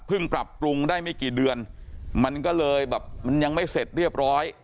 ปรับปรุงได้ไม่กี่เดือนมันก็เลยแบบมันยังไม่เสร็จเรียบร้อย